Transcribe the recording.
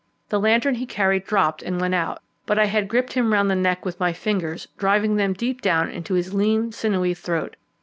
The lantern he carried dropped and went out, but I had gripped him round the neck with my fingers, driving them deep down into his lean, sinewy throat.